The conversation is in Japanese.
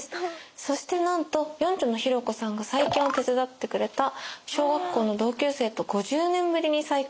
そしてなんと四女のひろ子さんが再建を手伝ってくれた小学校の同級生と５０年ぶりに再会。